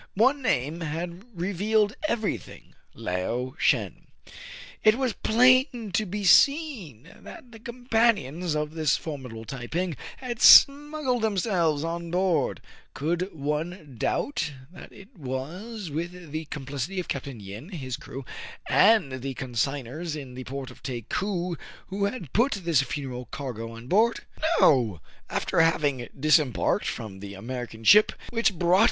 One name had revealed every thing, — Lao Shen ! It was plain to be seen that the companions of this formidable Tai ping had smuggled themselves on board. Could one doubt that it was with the complicity of Capt. Yin, his crew, and the con signors in the port of Takou who had put this funereal cargo on board } No : after having dis embarked frpn) the American ship wTiich brought 212 TRIBULATIONS OF A CHINAMAN.